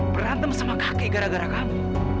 berantem sama kaki gara gara kamu